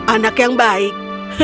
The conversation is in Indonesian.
anak yang baik